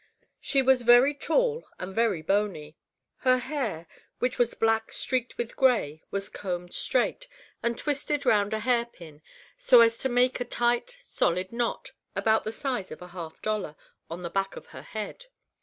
She was very tall and very bony. Her hair, which was black streaked with gray, was combed straight, and twisted round a hair pin, so as to make a tight, solid knot, about the size of a half dollar, on the back of her head.